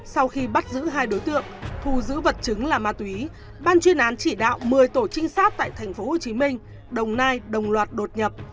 sau khi bắt giữ hai đối tượng thu giữ vật chứng là ma túy ban chuyên án chỉ đạo một mươi tổ trinh sát tại tp hcm đồng nai đồng loạt đột nhập